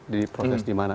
di proses dimana